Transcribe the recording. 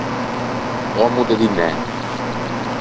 L’òmmo de dinæ.